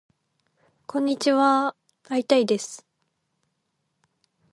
こんにちはーー会いたいです